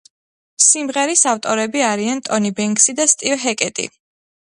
სიმღერის ავტორები არიან ტონი ბენქსი და სტივ ჰეკეტი.